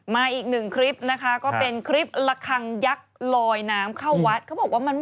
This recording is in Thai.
ไม่ได้อยู่ในห้องยิงอยู่ที่แคล้ข้างล่าง